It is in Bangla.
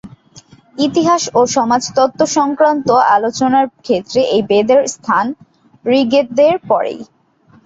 ইতিহাস ও সমাজতত্ত্ব-সংক্রান্ত আলোচনার ক্ষেত্রে এই বেদের স্থান ঋগ্বেদের পরেই।